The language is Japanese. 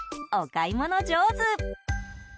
お買い物上手。